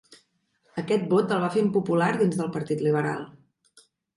Aquest vot el va fer impopular dins del partit liberal.